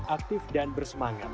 aktif dan bersemangat